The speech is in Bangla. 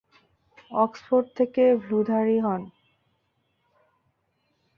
অক্সফোর্ড থেকে ব্লুধারী হন।